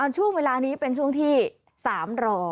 ช่วงเวลานี้เป็นช่วงที่๓รอ